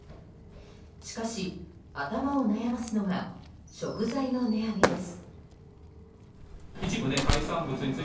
しかし、頭を悩ますのが食材の値上げです。